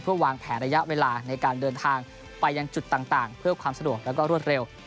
วางแผนระยะเวลาในการเดินทางไปยังจุดต่างเพื่อความสะดวกแล้วก็รวดเร็ว